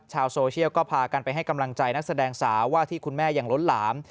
ชาวโซเชียลก็พากันไปให้กำลังใจนักแสดงสาวว่าที่คุณแม่อย่างล้นหลาม